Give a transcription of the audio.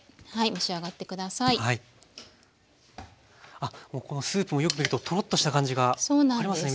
あこのスープもよく見るととろっとした感じがありますね